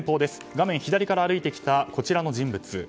画面左から歩いてきたこちらの人物。